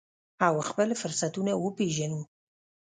او خپل فرصتونه وپیژنو.